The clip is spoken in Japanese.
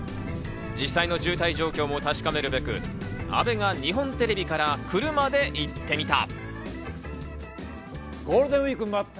実際の渋滞状況も確かめるべく、阿部が日本テレビから車で行ってみた。